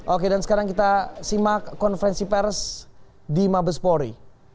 oke dan sekarang kita simak konferensi pers di mabespori